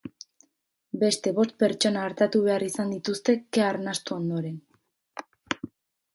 Beste bost pertsona artatu behar izan dituzte kea arnastu ondoren.